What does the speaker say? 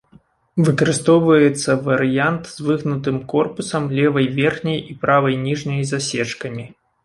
Выкарыстоўваецца варыянт з выгнутым корпусам, левай верхняй і правай ніжняй засечкамі.